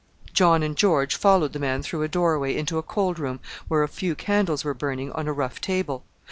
John and George followed the man through a doorway into a cold room where a few candles were burning on a rough table.